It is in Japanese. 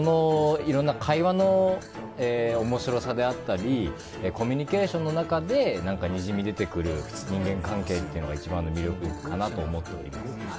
いろんな会話の面白さであったりコミュニケーションの中でにじみ出てくる人間関係というのが一番の魅力かなと思っております。